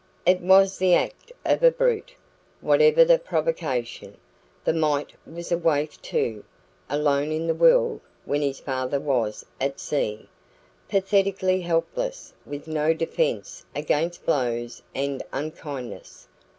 It was the act of a brute, whatever the provocation. The mite was a waif too, alone in the world when his father was at sea, pathetically helpless, with no defence against blows and unkindness.